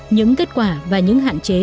những kết quả và những hạn chế